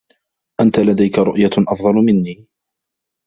أنتَ لديكَ رؤية أفضل منى ؟